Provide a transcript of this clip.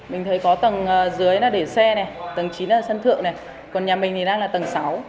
mình thấy có tầng dưới là để xe này tầng chín là sân thượng này còn nhà mình thì đang là tầng sáu